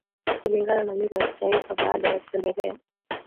Kulingana na mila ya kitaifa baada ya kutembelea